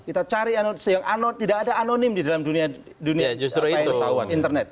kita cari yang tidak ada anonim di dalam dunia internet